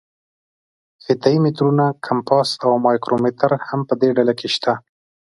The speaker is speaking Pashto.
فیته یي مترونه، کمپاس او مایکرومتر هم په دې ډله کې شته.